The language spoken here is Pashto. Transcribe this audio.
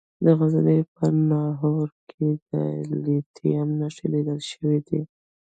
د غزني په ناهور کې د لیتیم نښې لیدل شوي دي.